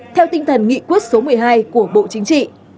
theo tinh thần nghị quyết số một mươi hai của bộ chính trị